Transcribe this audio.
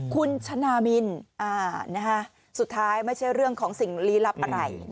คุณชนะมินสุดท้ายไม่ใช่เรื่องของสิ่งลี้ลับอะไร